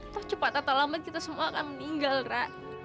tahu cepat atau lambat kita semua akan meninggal ra